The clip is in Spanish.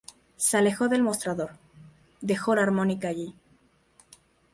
Se alejó del mostrador, dejó la armónica allí.